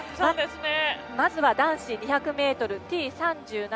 まず男子２００ｍＴ３７